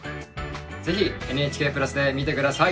ぜひＮＨＫプラスで見て下さい。